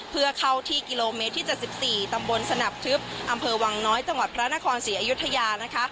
เพื่อเข้าที่กิโลเมตรที่๗๔ตำบลสนับทึบอำเภอวังน้อยจังหวัดพระนครศรีอยุธยา